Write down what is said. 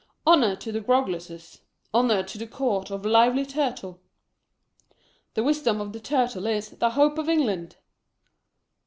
Honor to the Groggleses ! Honor to the Court of Lively Turtle ! The wisdom of the Turtle is the hope of England!"